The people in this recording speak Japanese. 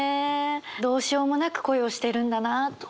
どうしようもなく恋をしてるんだなっていう。